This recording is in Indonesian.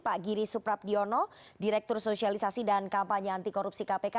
pak giri suprabdiono direktur sosialisasi dan kampanye anti korupsi kpk